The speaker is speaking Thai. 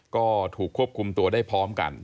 ก็ถูกควบคุมตัวได้พร้อมกัน